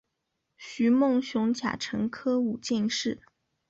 徐梦熊甲辰科武进士。